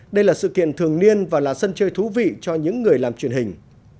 đây là sự kiện thường niên và là sân chơi thú vị cho những người làm truyền hình